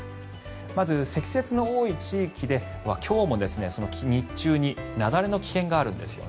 まず、積雪の多い地域で今日も日中に雪崩の危険があるんですよね。